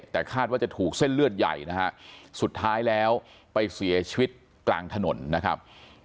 แต่คาดว่าจะถูกเส้นเลือดใหญ่นะฮะสุดท้ายแล้วไปเสียชีวิตกลางถนนนะครับ